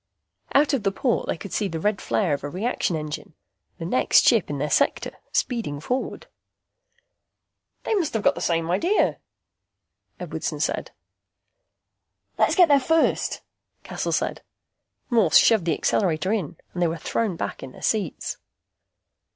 Out of the port they could see the red flare of a reaction engine; the next ship in their sector, speeding forward. "They must have got the same idea," Edwardson said. "Let's get there first," Cassel said. Morse shoved the accelerator in and they were thrown back in their seats.